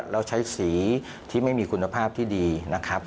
เราใช้สีที่ไม่มีคุณภาพที่ดีนะครับ